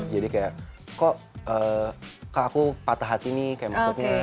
jadi kayak kok aku patah hati nih kayak maksudnya